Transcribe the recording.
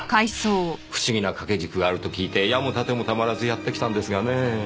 不思議な掛け軸があると聞いて矢も盾もたまらずやって来たんですがねぇ。